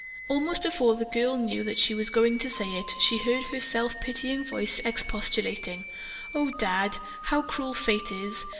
Almost before the girl knew that she was going to say it, she heard her self pitying voice expostulating, "Oh, Dad, how cruel fate is!